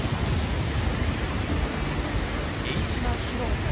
榮島四郎さん